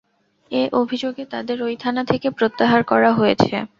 এ অভিযোগে তাঁদের ওই থানা থেকে প্রত্যাহার করা হয়েছে।